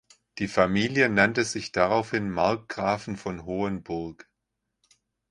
Die Familie nannte sich daraufhin "Markgrafen von Hohenburg".